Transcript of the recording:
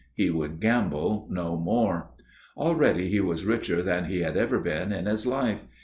He would gamble no more. Already he was richer than he had ever been in his life.